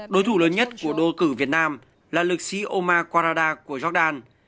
đối thủ lớn nhất của đô cử việt nam là lực sĩ omar kwarada của jordan